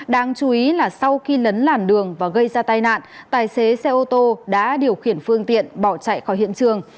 đáng chú ý là sau khi lấn làn đường và gây ra tai nạn tài xế xe ô tô đã điều khiển phương tiện bỏ chạy khỏi hiện trường